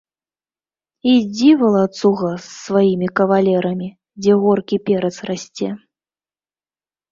Ідзі, валацуга, з сваімі кавалерамі, дзе горкі перац расце.